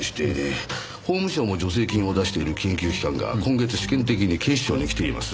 法務省も助成金を出している研究機関が今月試験的に警視庁に来ています。